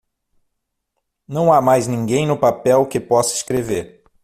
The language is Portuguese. Não há mais ninguém no papel que possa escrever!